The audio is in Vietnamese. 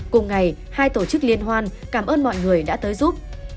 cùng ngày hai tổ chức liên hoan cảm ơn mọi người đã tới giúp